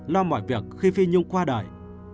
lo mọi việc khi phi nhung qua đời